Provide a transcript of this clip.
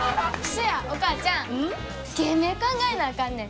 そやお母ちゃん芸名考えなあかんねん。